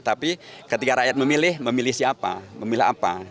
tapi ketika rakyat memilih memilih siapa memilih apa